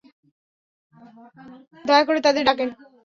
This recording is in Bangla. দয়া করে তাদের ডাকেন।